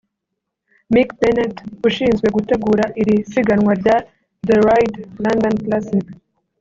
Mick Bennett ushinzwe gutegura iri siganwa rya ‘The Ride London Classic’